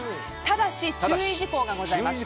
ただし、注意事項がございます。